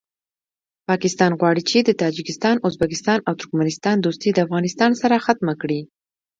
پاکستان غواړي چې د تاجکستان ازبکستان او ترکمستان دوستي د افغانستان سره ختمه کړي